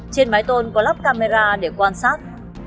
trên mái tôn có lắp camera để quan sát